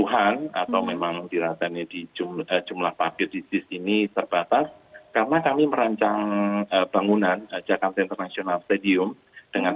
yang sudah dia yang sudah di percaya base dan juga songs in investment